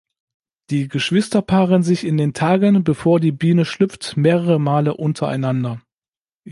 Die Geschwister paaren sich in den Tagen, bevor die Biene schlüpft, mehrere Male untereinander.